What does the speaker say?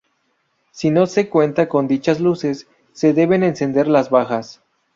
Si no se cuenta con dichas luces, se deben encender las bajas.